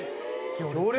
行列？